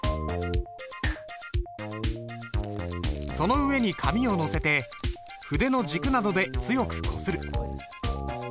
その上に紙を載せて筆の軸などで強くこする。